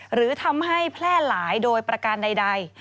หรือทำให้แพร่หลายโดยประการใด